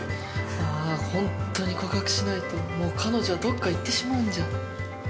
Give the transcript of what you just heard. あ、本当に告白しないともう彼女どっか行ってしまうんじゃ。）